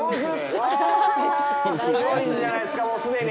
うわあ、すごいんじゃないですか、もう既に。